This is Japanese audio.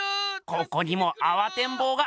ここにもあわてんぼうが。